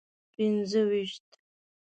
پنځه ویشت.